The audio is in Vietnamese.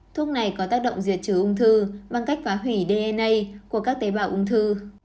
thuốc này có tác động diệt trừ ung thư bằng cách phá hủy dna của các tế bào ung thư